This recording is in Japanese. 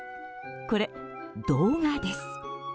これ、動画です。